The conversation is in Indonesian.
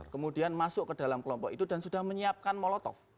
kemudian masuk ke dalam kelompok itu dan sudah menyiapkan molotov